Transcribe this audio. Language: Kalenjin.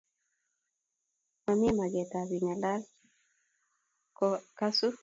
Mamie maget ab ingalal inalal ko kasu